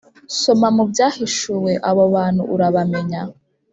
Soma mu Byahishuwe Abo bantu urabamenya